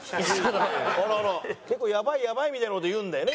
結構やばいやばいみたいな事言うんだよね